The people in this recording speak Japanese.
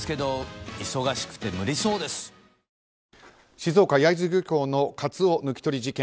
静岡・焼津漁港のカツオ抜き取り事件